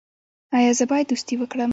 ایا زه باید دوستي وکړم؟